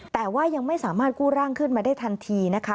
แต่ว่ายังไม่สามารถกู้ร่างขึ้นมาได้ทันทีนะคะ